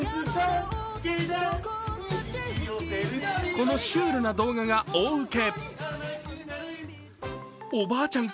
このシュールな動画が大ウケ。